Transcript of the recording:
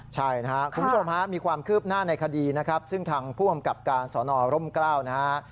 ใช่นะครับคุณผู้ชมฮะมีความคืบหน้าในคดีนะครับซึ่งทางผู้อำกับการสอนอร่มกล้าวนะฮะ